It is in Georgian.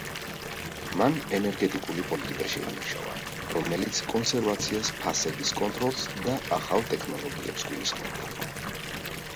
მან ენერგეტიკული პოლიტიკა შეიმუშავა, რომელიც კონსერვაციას, ფასების კონტროლს და ახალ ტექნოლოგიებს გულისხმობდა.